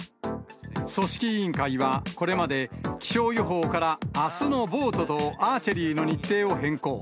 組織委員会はこれまで気象予報からあすのボートとアーチェリーの日程を変更。